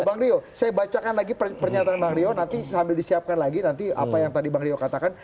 bang rio saya bacakan lagi pernyataan bang rio nanti sambil disiapkan lagi nanti apa yang tadi bang rio katakan